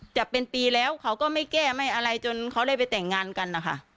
จะเป็นปีแล้วเขาก็ไม่แก้ไม่อะไรจนเขาได้ไปแต่งงานกันนะคะ